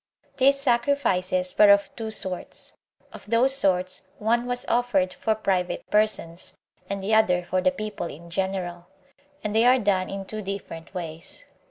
These sacrifices were of two sorts; of those sorts one was offered for private persons, and the other for the people in general; and they are done in two different ways.